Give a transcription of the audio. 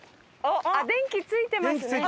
電気ついてますから。